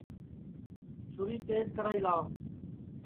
چھُری تیج کرائی لاوَ